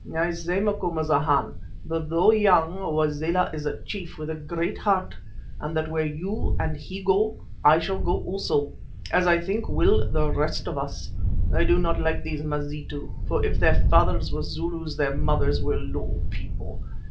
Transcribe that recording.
"I say, Macumazana, that, though young, Wazela is a chief with a great heart, and that where you and he go, I shall go also, as I think will the rest of us. I do not like these Mazitu, for if their fathers were Zulus their mothers were low people.